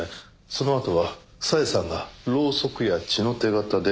そのあとは小枝さんがろうそくや血の手形で演出した。